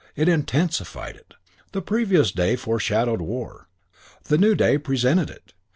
It intensified it. The previous day foreshadowed war. The new day presented it.